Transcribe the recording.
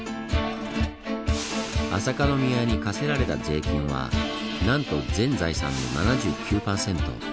朝香宮に課せられた税金はなんと全財産の７９％。